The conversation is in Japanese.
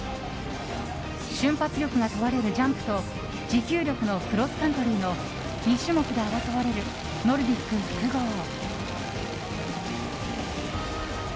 瞬発力が問われるジャンプと持久力のクロスカントリーの２種目で争われるノルディック複合。